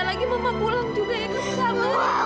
sita mau beluk mama